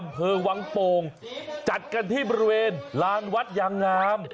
อำเภอวังโป่งจัดกันที่บริเวณลานวัดยางงาม